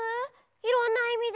いろんないみで。